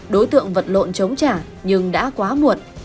đối tượng vật lộn chống trả nhưng đã quá muộn